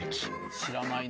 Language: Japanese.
知らないな。